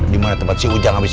dimana tempat si ujang habis itu